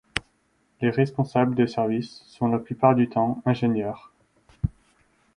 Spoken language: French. Les responsables de service sont la plupart du temps ingénieur.